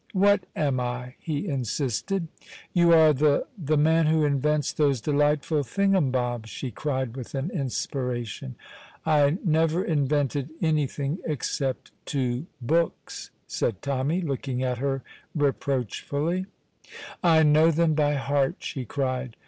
"What am I?" he insisted. "You are the the man who invents those delightful thingumbobs," she cried with an inspiration. "I never invented anything, except two books," said Tommy, looking at her reproachfully. "I know them by heart," she cried.